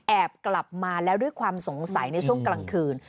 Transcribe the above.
กลับมาแล้วด้วยความสงสัยในช่วงกลางคืน